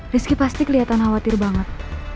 rizky pasti kelihatan khawatir banget